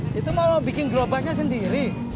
situ mau bikin gerobaknya sendiri